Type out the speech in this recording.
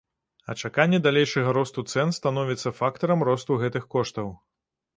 А чаканне далейшага росту цэн становіцца фактарам росту гэтых коштаў.